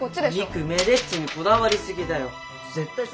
ミクめでっちにこだわりすぎだよ。